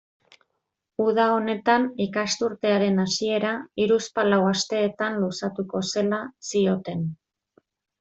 Uda honetan ikasturtearen hasiera hiruzpalau asteetan luzatuko zela zioten.